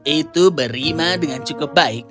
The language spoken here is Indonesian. itu berima dengan cukup baik